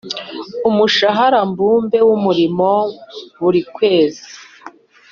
umushahara mbumbe wumurimo buri kwezi